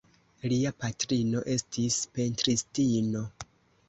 Lia patrino estis pentristino.